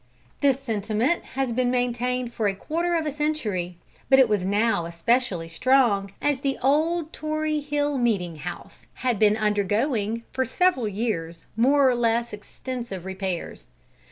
This sentiment had been maintained for a quarter of a century, but it was now especially strong, as the old Tory Hill Meeting House had been undergoing for several years more or less extensive repairs.